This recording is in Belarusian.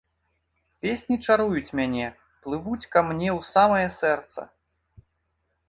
Песні чаруюць мяне, плывуць ка мне ў самае сэрца.